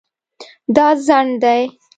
دا ځنډ دی